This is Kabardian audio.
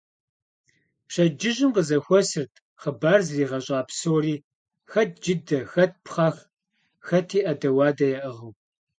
Пщэдджыжьым къызэхуэсырт хъыбар зригъэщӀа псори, хэт джыдэ, хэт пхъэх, хэти Ӏэдэ-уадэ яӀыгъыу.